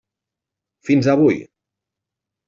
Fins avui.